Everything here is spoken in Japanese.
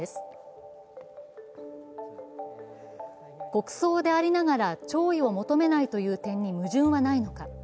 国葬でありながら弔意を求めないという点に矛盾はないのか。